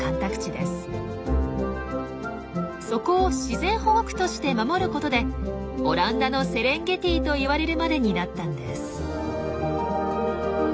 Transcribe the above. そこを自然保護区として守ることで「オランダのセレンゲティ」と言われるまでになったんです。